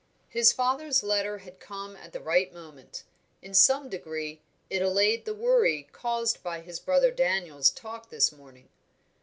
His father's letter had come at the right moment; in some degree it allayed the worry caused by his brother Daniel's talk this morning.